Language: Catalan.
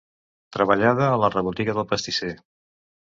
Treballada a la rebotiga del pastisser.